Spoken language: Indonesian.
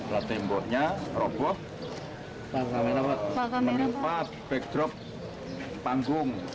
dan temboknya roboh menimpa backdrop panggung